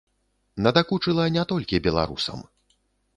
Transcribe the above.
Надакучыла не толькі беларусам.